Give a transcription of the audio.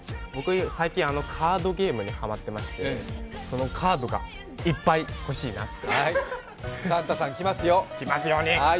最近、カードゲームにハマってましてそのカードがいっぱい欲しいなって。